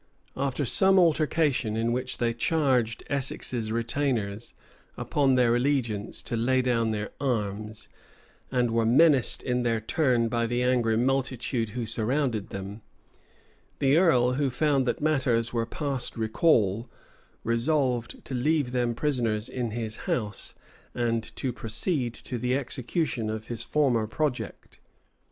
After some altercation, in which they charged Essex's retainers, upon their allegiance, to lay down, their arms, and were menaced in their turn by the angry multitude who surrounded them, the earl, who found that matters were past recall, resolved to leave them prisoners in his house, and to proceed to the execution of his former project.